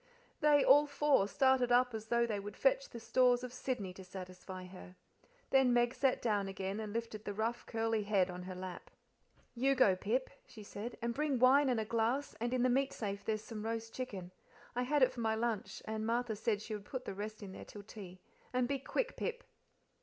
They all four, started up as though they would fetch the stores of Sydney to satisfy her. Then Meg sat down again and lifted the rough, curly head on her lap. "You go, Pip," she said, "and bring wine and a glass, and in the meat safe there's some roast chicken; I had it for my lunch, and Martha said she would put the rest there till tea; and be quick, Pip."